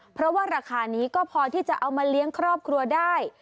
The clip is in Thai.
เพราะว่าราคานี้ก็พอที่จะเอามาเลี้ยงครอบครัวได้